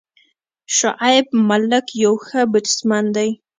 شعیب ملک یو ښه بیټسمېن دئ.